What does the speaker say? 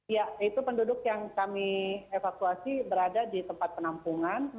ya itu penduduk yang kami evakuasi berada di tempat penampungan